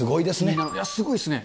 すごいですね。